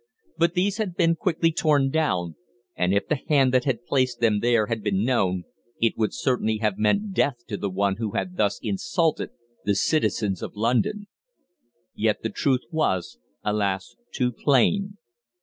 But these had been quickly torn down, and if the hand that had placed them there had been known, it would certainly have meant death to the one who had thus insulted the citizens of London. Yet the truth was, alas! too plain.